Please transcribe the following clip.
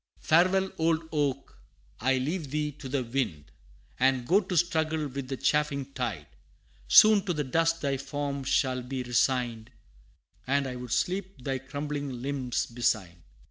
Farewell, old oak! I leave thee to the wind, And go to struggle with the chafing tide Soon to the dust thy form shall be resigned, And I would sleep thy crumbling limbs beside.